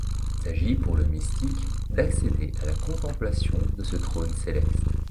Il s'agit pour le mystique d'accéder à la contemplation de ce trône céleste.